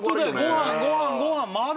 「ご飯ご飯ご飯まだ？」